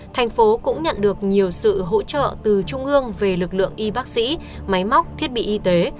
thành phố cũng nhận được nhiều sự hỗ trợ từ trung ương về lực lượng y bác sĩ máy móc thiết bị y tế